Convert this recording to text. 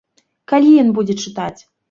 Калі ён будзе чытаць?